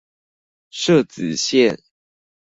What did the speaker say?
社子線